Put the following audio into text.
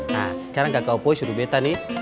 nah sekarang kakak apoy suruh bete nih